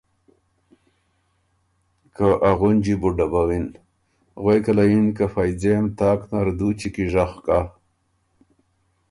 که ا غُنجی بو ډبَوِن، غوېکه له یِن که فئ ځېم تاک نر دُوچی کی ژغ کۀ